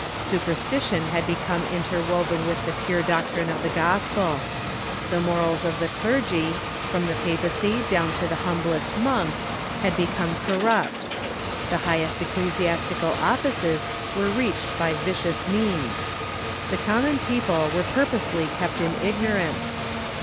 Superstition had become interwoven with the pure doctrine of the gospel. Tlie morals of the clergy, from the papacy down to the humblest monks, had become corrupt. The 19G THE REFORMATION highest ecclesiastical offices were reached b}^ vicious means. The common people were purposely kept in ignorance.